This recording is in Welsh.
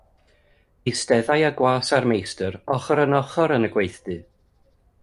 Eisteddai y gwas a'r meistr ochr yn ochr yn y gweithdy.